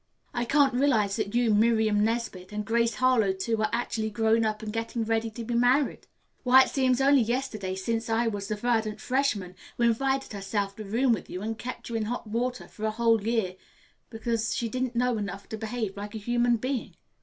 I can't realize that you, Miriam Nesbit, and Grace Harlowe, too, are actually grown up and getting ready to be married. Why it seems only yesterday since I was the verdant freshman who invited herself to room with you and kept you in hot water for a whole year because she didn't know enough to behave like a human being."